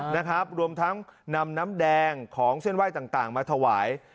นะครับรวมทั้งนำน้ำแดงของเส้นไหว้ต่างต่างมาถวาย